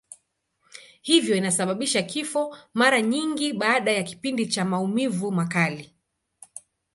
Hivyo inasababisha kifo, mara nyingi baada ya kipindi cha maumivu makali.